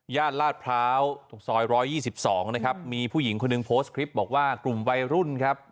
ลาดพร้าวซอย๑๒๒นะครับมีผู้หญิงคนหนึ่งโพสต์คลิปบอกว่ากลุ่มวัยรุ่นครับ